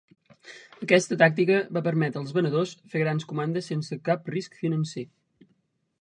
Aquesta tàctica va permetre als venedors fer grans comandes sense cap risc financer.